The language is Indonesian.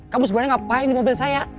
kamu sebenarnya apa yang dilakukan di mobil saya